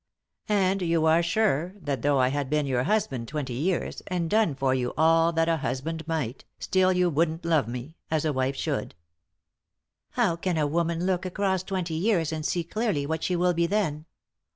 " And you are sure that though I had been your hus band twenty years, and done for you all that a husband might, still you wouldn't lore me — as a wife should ?"" How can a woman look across twenty years and see clearly what she will be then